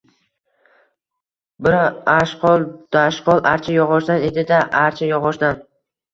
— Bari ashqol-dashqol archa yog‘ochdan edi-da, archa yog‘ochdan!